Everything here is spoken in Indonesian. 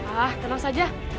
ah tenang saja